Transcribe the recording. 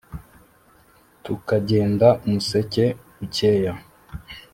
tukajyenda umuseke ucyeya